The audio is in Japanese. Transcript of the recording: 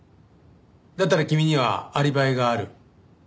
だったら君にはアリバイがある。